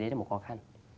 đấy là một khó khăn